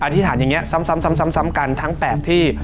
ธิษฐานอย่างนี้ซ้ำกันทั้ง๘ที่